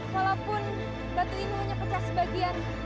walaupun nanti ini hanya pecah sebagian